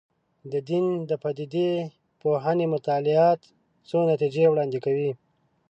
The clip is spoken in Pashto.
د دین د پدیده پوهنې مطالعات څو نتیجې وړاندې کوي.